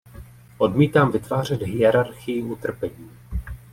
Odmítám vytvářet hierarchii utrpení.